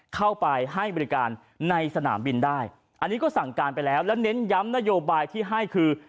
เข้าไปให้บริการในสนามบินได้อันนี้ก็สั่งการไปแล้วแล้วเน้นย้ำนโยบายที่ให้คือ